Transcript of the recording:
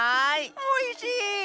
おいしい！